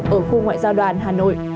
ở khu ngoại giao đoàn hà nội